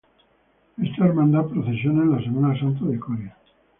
Esta hermandad procesiona en la Semana Santa de Coria.